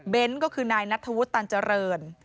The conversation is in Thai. เบนส์ก็คือนายนัทธวุธตัญเจริญ